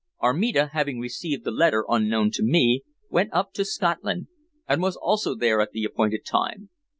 Armida, having received the letter unknown to me, went up to Scotland, and was also there at the appointed time.